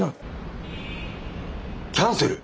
キャンセル！？